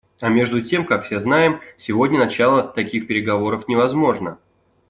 А между тем, как все знаем, сегодня начало таких переговоров невозможно.